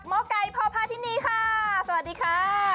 หมอไก่พ่อพาทินีค่ะสวัสดีค่ะ